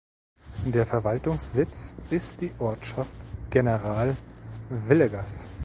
Der Verwaltungssitz ist die Ortschaft General Villegas.